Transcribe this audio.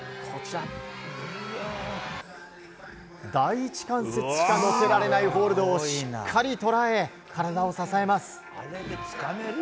第１関節しか乗せられないホールドをしっかり捉え体を支えます。